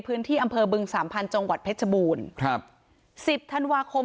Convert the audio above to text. พื้นที่อำเภอบึงสามพันธุ์จังหวัดเพชรบูรณ์ครับสิบธันวาคม